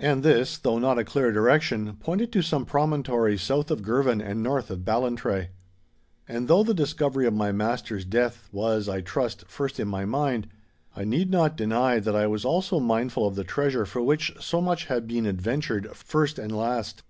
And this, though not a clear direction, pointed to some promontory south of Girvan and north of Ballantrae. And though the discovery of my master's death was, I trust, first in my mind, I need not deny that I was also mindful of the treasure for which so much had been adventured first and last.